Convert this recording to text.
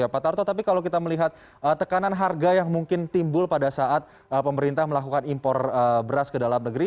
pak tarto tapi kalau kita melihat tekanan harga yang mungkin timbul pada saat pemerintah melakukan impor beras ke dalam negeri